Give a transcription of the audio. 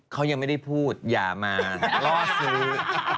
เขายังไม่ได้พูดอย่ามาล่อซื้อ